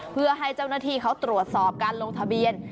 เพื่อให้เจ้าหน้าที่เขาตรวจสอบการลงทะเบียน